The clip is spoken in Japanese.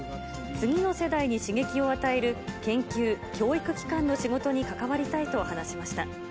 次の世代に刺激を与える研究・教育機関の仕事に関わりたいと話しました。